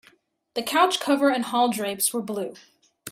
The couch cover and hall drapes were blue.